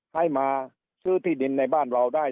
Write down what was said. ให้มาซื้อที่ดินในบ้านเราได้